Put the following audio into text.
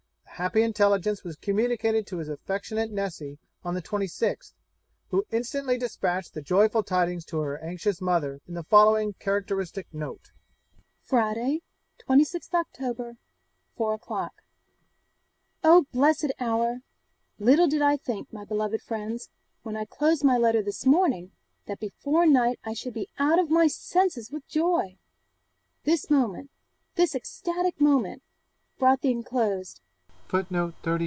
The happy intelligence was communicated to his affectionate Nessy on the 26th, who instantly despatched the joyful tidings to her anxious mother in the following characteristic note: Friday, 26th October, four o'clock. 'Oh, blessed hour! little did I think, my beloved friends, when I closed my letter this morning, that before night I should be out of my senses with joy! this moment, this ecstatic moment, brought the enclosed.